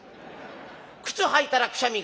「靴履いたらくしゃみが」。